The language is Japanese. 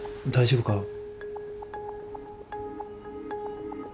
大丈夫か？